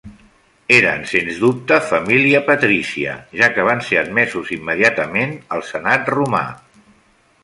Eren sens dubte família patrícia, ja que van ser admesos immediatament al senat romà.